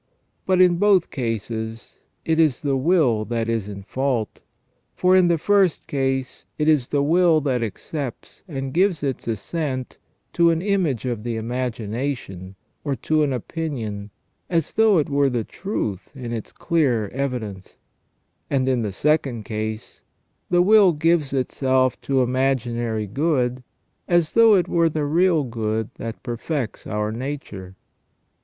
But in both cases it is the will that is in fault ; for in * S. Athanas., Oral, contra Gentiles, c. vii. 172 ON EVIL AND THE ORIGIN OF EVIL, the first case it is the will that accepts and gives its assent to an image of the imagination or to an opinion, as though it were the truth in its clear evidence ; and in the second case the will gives itself to imaginary good as though it were the real good that perfects our nature.